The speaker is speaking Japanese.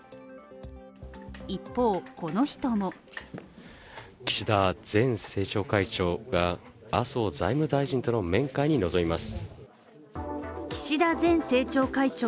一方この人も岸田前政調会長が麻生財務大臣との面会に臨みます